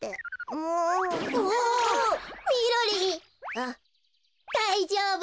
あっだいじょうぶ。